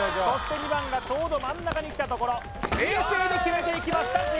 そして２番がちょうど真ん中に来たところ冷静に決めていきました